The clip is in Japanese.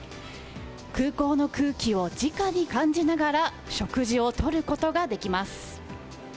空港の空気をじかに感じながら食事をとることができます。